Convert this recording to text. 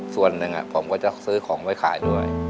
ส่วนหนึ่งผมก็จะซื้อของไว้ขายด้วย